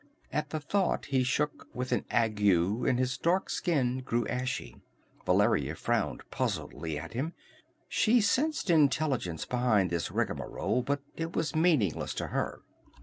At the thought he shook as with an ague and his dark skin grew ashy. Valeria frowned puzzledly at him. She sensed intelligence behind this rigmarole, but it was meaningless to her.